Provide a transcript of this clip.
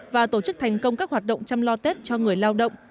và tổ chức thành công các hoạt động chăm lo tết cho người lao động